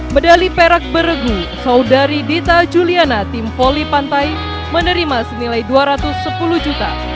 medali perak bergu saudari dita juliana tim voli pantai menerima senilai dua ratus sepuluh juta